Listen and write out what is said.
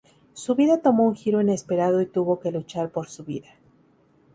Su vida tomó un giro inesperado y tuvo que luchar por su vida.